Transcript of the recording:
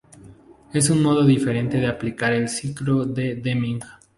Es un modo diferente de aplicar el ciclo de Deming.